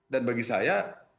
dan bagi saya